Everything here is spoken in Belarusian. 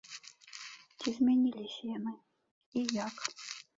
Ці змяніліся яны, і як?